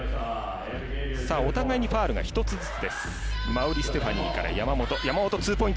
お互いにファウルが１つずつ。